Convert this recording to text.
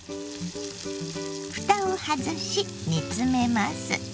ふたを外し煮詰めます。